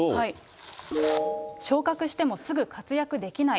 昇格しても、すぐ活躍できない。